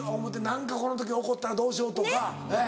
何かこの時起こったらどうしようとかええ。